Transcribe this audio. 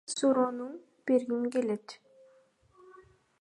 деген суроону бергим келет.